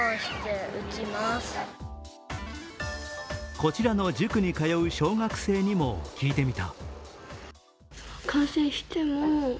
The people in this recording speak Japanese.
こちらの塾に通う小学生にも聞いてみた。